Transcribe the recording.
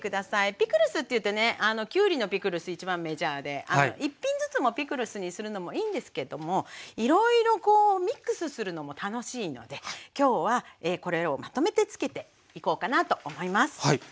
ピクルスっていってねきゅうりのピクルス一番メジャーで１品ずつピクルスにするのもいいんですけどもいろいろミックスするのも楽しいので今日はこれらをまとめて漬けていこうかなと思います。